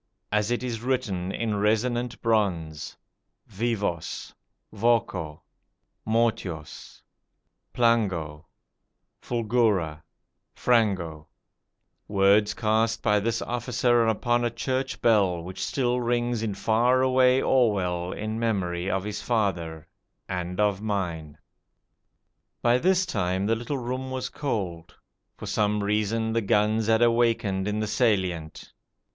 As it is written in resonant bronze: VIVOS . VOCO . MORTUOS . PLANGO . FULGURA . FRANGO: words cast by this officer upon a church bell which still rings in far away Orwell in memory of his father and of mine. By this time the little room was cold. For some reason the guns had awakened in the Salient.